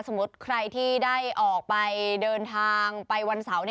สมมุติใครที่ได้ออกไปเดินทางไปวันเสาร์